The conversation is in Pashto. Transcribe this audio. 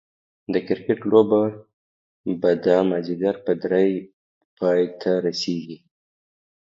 د کرکټ لوبه به دا ماځيګر په دري پايي ته رسيږي